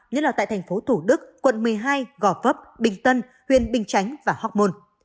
nhất là tại thành phố thủ đức quận một mươi hai gò vấp bình tân huyện bình chánh và hóc môn